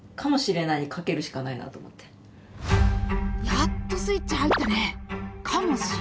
やっとスイッチ入ったね！